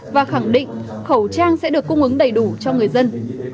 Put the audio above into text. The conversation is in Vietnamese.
và khẳng định khẩu trang sẽ được cung ứng đầy đủ cho người dân